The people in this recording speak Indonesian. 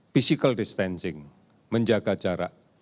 physical distancing menjaga jarak